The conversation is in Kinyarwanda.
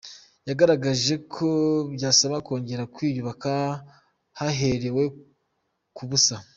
Yagaragageje ko byasaba kongera kwiyubaka haherewe ku busa.